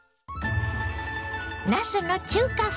なすの中華風